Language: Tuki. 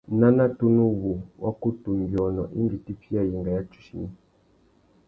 Nana tunu wu wá kutu nʼbiônô indi tifiya yenga ya tsuchimi.